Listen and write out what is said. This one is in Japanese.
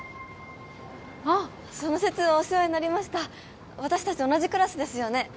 ああっその節はお世話になりました私達同じクラスですよね？